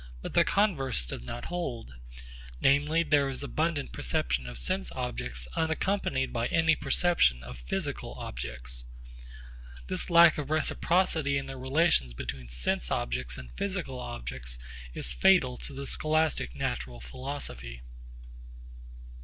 But the converse does not hold: namely, there is abundant perception of sense objects unaccompanied by any perception of physical objects. This lack of reciprocity in the relations between sense objects and physical objects is fatal to the scholastic natural philosophy.